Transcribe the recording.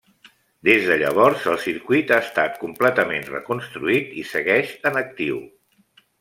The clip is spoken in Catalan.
Des de llavors el circuit ha estat completament reconstruït i segueix en actiu.